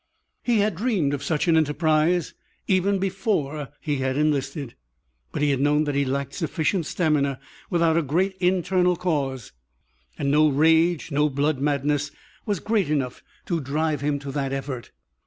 He had dreamed of such an enterprise even before he had enlisted. But he had known that he lacked sufficient stamina without a great internal cause, and no rage, no blood madness, was great enough to drive him to that effort.